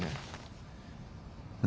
何？